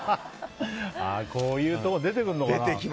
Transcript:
こういうところに出てくるのかな。